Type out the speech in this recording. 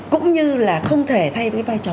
cũng như là không thể thay với vai trò